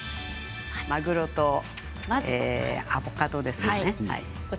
まぐろとアボカドですね。